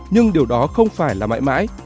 nhưng điều đó không phải là mãi mãi